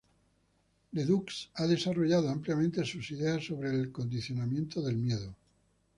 LeDoux ha desarrollado ampliamente sus ideas sobre el condicionamiento del miedo.